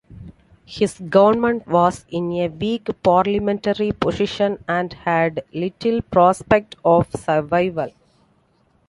His government was in a weak parliamentary position and had little prospect of survival.